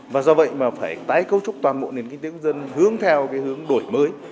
và do vậy mà phải tái cấu trúc toàn bộ nền kinh tế dân hướng theo cái hướng đổi mới